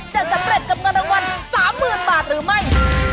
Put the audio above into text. จะสำเร็จกับเงินรางวัล๓๐๐๐บาทหรือไม่